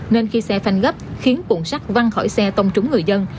nên khi xe phanh gấp khiến cuộn xác văng khỏi xe tông trúng người dân